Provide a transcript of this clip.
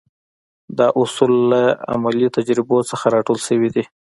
دا اصول له عملي تجربو څخه را ټول شوي دي.